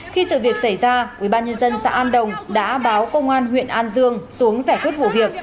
khi sự việc xảy ra ubnd xã an đồng đã báo công an huyện an dương xuống giải quyết vụ việc